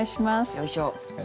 よいしょ。